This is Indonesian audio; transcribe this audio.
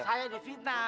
saya udah fitnah